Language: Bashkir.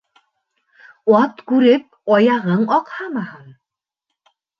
Ат күреп, аяғың аҡһамаһын.